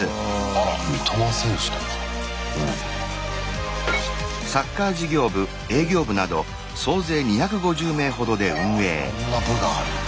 あいろんな部があるんだ。